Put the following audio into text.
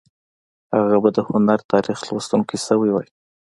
هغه به د هنر تاریخ لوستونکی شوی وای